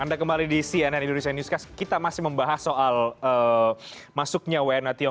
anda kembali di cnn indonesia newscast kita masih membahas soal masuknya wna tiongkok